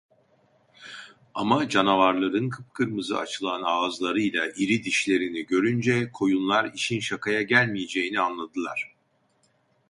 Ama canavarların kıpkırmızı açılan ağızlarıyla iri dişlerini görünce koyunlar işin şakaya gelmeyeceğini anladılar.